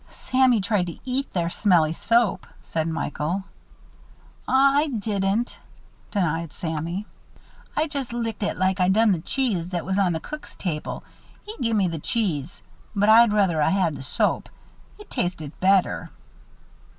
"Sammy tried to eat their smelly soap," said Michael. "Aw! I didn't," denied Sammy. "I just licked it like I done the cheese that was on the cook's table. He gimme the cheese. But I'd ruther a had the soap it tasted better."